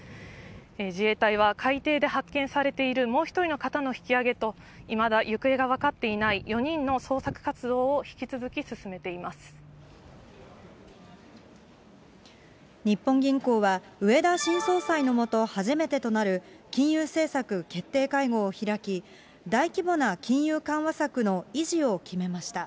自衛隊は海底で発見されているもう１人の方の引き揚げと、いまだ行方が分かっていない４人の捜索活動を引き続き進めていま日本銀行は、植田新総裁の下、初めてとなる金融政策決定会合を開き、大規模な金融緩和策の維持を決めました。